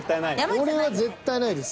俺は絶対ないです。